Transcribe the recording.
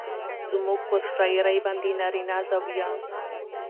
زموږ پر شاعرۍ باندې نارينه زاويه